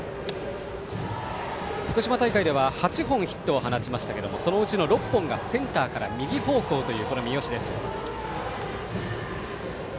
福島大会では８本ヒットを放ちましたがそのうちの６本がセンターから右方向という三好。